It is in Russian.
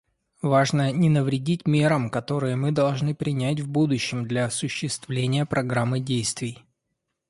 Важно не навредить мерам, которые мы должны принять в будущем для осуществления Программы действий.